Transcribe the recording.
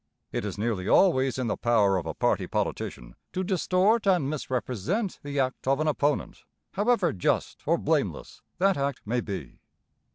It is nearly always in the power of a party politician to distort and misrepresent the act of an opponent, however just or blameless that act may be.